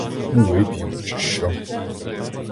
Ну, вип'ємо, чи що?